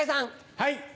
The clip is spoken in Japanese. はい。